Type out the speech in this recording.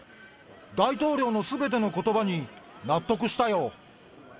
大統領のすべてのことばに納得したよ。